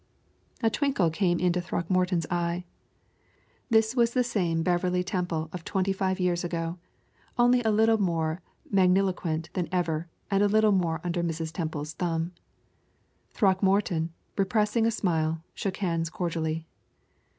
A twinkle came into Throckmorton's eye. This was the same Beverley Temple of twenty five years ago, only a little more magniloquent than ever and a little more under Mrs. Temple's thumb. Throckmorton, repressing a smile, shook hands cordially.